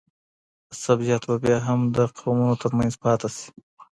عصبیت به بیا هم د قومونو ترمنځ پاته سي.